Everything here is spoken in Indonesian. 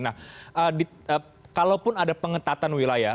nah kalaupun ada pengetatan wilayah